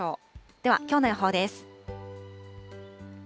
では、きょうの予報です。